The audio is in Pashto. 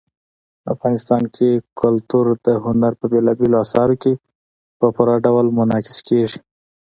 افغانستان کې کلتور د هنر په بېلابېلو اثارو کې په پوره ډول منعکس کېږي.